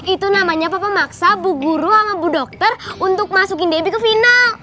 itu namanya pak pemaksa bu guru sama bu dokter untuk masukin debbie ke final